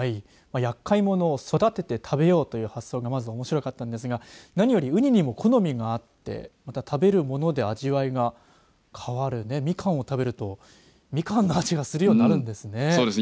やっかい者を育てて食べようという発想がまず、おもしろかったんですが何より、うににも、好みが食べるもので味わいが変わるね、みかんを食べるとみかんの味がするようになるんですね。